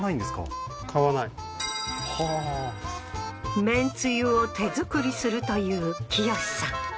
あー麺つゆを手作りするという清司さん